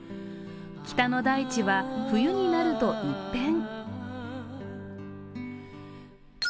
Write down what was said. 北の大地は冬になると一変。